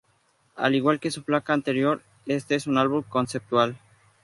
Al igual que su placa anterior, este es un álbum conceptual.